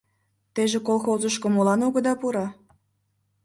Теже колхозышко молан огыда пуро?